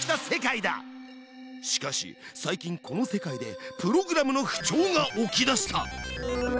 しかし最近この世界でプログラムの不調が起きだした！